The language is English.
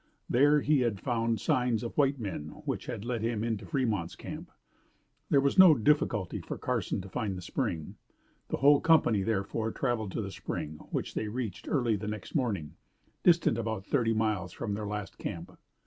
There he had found signs of white men which had led him into Fremont's camp. There was no difficulty for Carson to find the spring. The whole company therefore traveled to the spring, which they reached early the next morning, distant about thirty miles from their last camp.